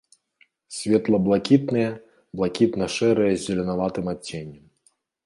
Светла-блакітныя, блакітна-шэрыя з зеленаватым адценнем.